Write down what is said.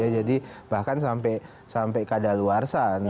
jadi bahkan sampai keadaan luar sana